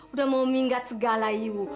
udah mau minggat segala ibu